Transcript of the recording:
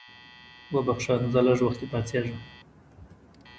وبخښه زه لږ وخته پاڅېږم.